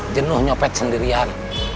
jenuh nyopet sendirian